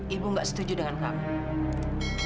ibu gak setuju dengan kami